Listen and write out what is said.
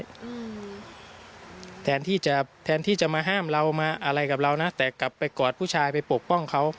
อืมแทนที่จะแทนที่จะมาห้ามเรามาอะไรกับเรานะแต่กลับไปกอดผู้ชายไปปกป้องเขา